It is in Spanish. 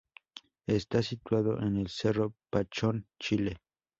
Está situado en el Cerro Pachón, Chile.